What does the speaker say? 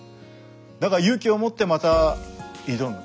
だから勇気をもってまた挑む。